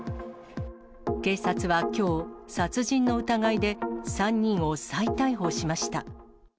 警察はきょう、殺人の疑いで３人を再逮捕しました。